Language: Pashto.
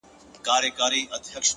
د ټپې په رزم اوس هغه ده پوه سوه”